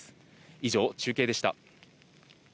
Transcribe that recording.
以上、中継でした。